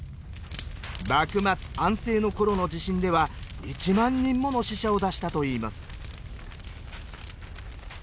幕末安政の頃の地震では１万人もの死者を出したといいます。